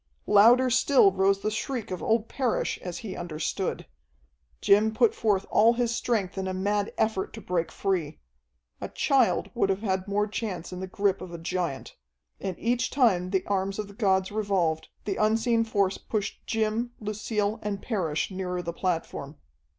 Louder still rose the shriek of old Parrish as he understood. Jim put forth all his strength in a mad effort to break free. A child would have had more chance in the grip of a giant. And each time the arms of the gods revolved, the unseen force pushed Jim, Lucille, and Parrish nearer the platform.